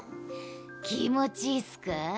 気持ちいいっすか？